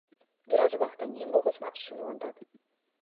Бир аз убакыттан кийин бул кызмат ишин улантат.